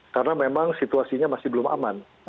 karena memang situasinya masih belum aman